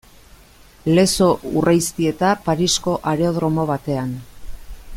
Lezo Urreiztieta Parisko aerodromo batean.